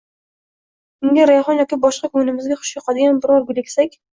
Unga rayhon yoki boshqa koʻnglimizga xush yoqadigan biror gul eksak